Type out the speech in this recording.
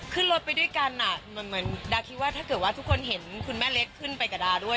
ขึ้นรถไปด้วยกันเหมือนดาคิดว่าถ้าเกิดว่าทุกคนเห็นคุณแม่เล็กขึ้นไปกับดาด้วย